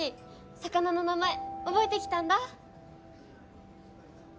魚の名前覚えてきたんだ